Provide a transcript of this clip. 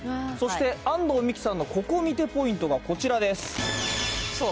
そして、安藤美姫さんのココ見てポイントはこちらです。